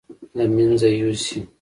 له مېنځه يوسي.